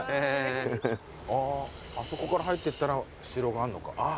あそこから入ってったら城があんのか。